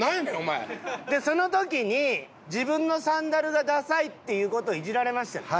でその時に自分のサンダルがダサいっていう事をイジられましたよね？